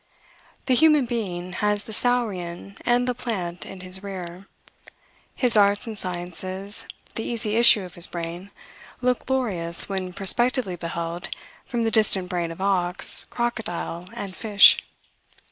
The human being has the saurian and the plant in his rear. His arts and sciences, the easy issue of his brain, look glorious when prospectively beheld from the distant brain of ox, crocodile, and fish.